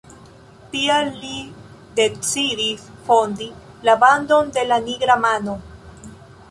Tial li decidis fondi la bandon de la nigra mano.